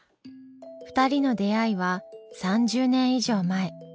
２人の出会いは３０年以上前。